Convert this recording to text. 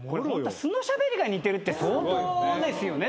素のしゃべりが似てるって相当ですよね。